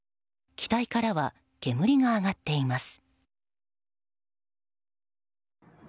機体からは煙が上がっています。